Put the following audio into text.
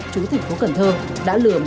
chú thành phố cần thơ đã lừa